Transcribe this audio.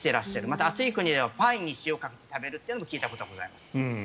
また、暑い国ではパインに塩をかけて食べるとも聞いたことがございます。